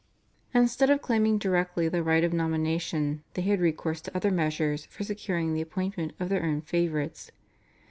Instead of claiming directly the right of nomination they had recourse to other measures for securing the appointment of their own favourites.